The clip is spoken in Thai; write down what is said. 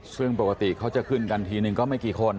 ซึ่งปกติเขาจะขึ้นกันทีนึงก็ไม่กี่คน